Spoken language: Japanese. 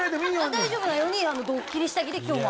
大丈夫なようにドッキリ下着で今日も。